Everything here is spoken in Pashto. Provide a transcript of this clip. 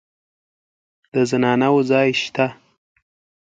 د زنانه وو ځای شته.